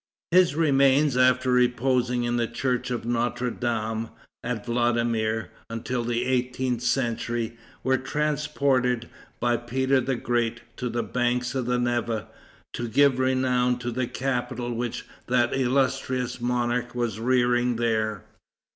His remains, after reposing in the church of Notre Dame, at Vladimir, until the eighteenth century, were transported, by Peter the Great, to the banks of the Neva, to give renown to the capital which that illustrious monarch was rearing there.